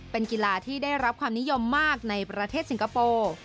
เป็นกีฬาที่ได้รับความนิยมมากในประเทศสิงคโปร์